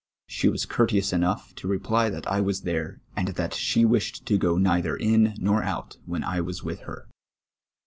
She was courteous enoujj^h to reply that I was there, and that she ^^'ished to go neither in nor out when I was with her.